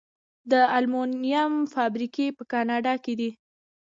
د المونیم فابریکې په کاناډا کې دي.